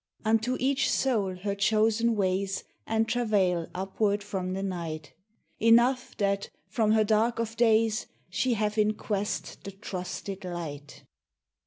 Unto each soul her chosen ways And travail upward from the night. Enough, that from her dark of days She have in quest the trusted light.